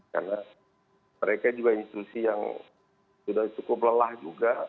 karena mereka juga institusi yang sudah cukup lelah juga